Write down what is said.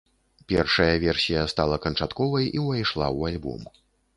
Першая версія стала канчатковай і ўвайшла ў альбом.